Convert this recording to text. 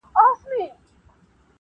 یوه ورځ به تلل کیږي عملونه په مېزان -